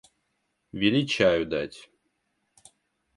Вели чаю дать.